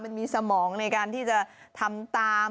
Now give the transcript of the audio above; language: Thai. มันมีสมองในการที่จะทำตาม